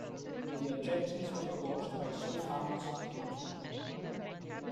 The objections were quashed by South Hams council.